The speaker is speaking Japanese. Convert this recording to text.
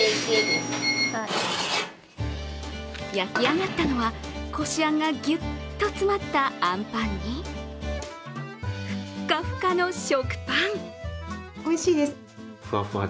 焼き上がったのはこしあんがぎゅっと詰まったあんぱんにふっかふかの食パン。